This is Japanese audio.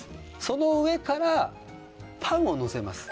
その上からパンをのせます。